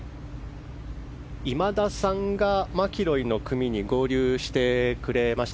今田さんがマキロイの組に合流してくれました。